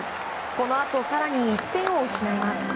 このあと更に１点を失います。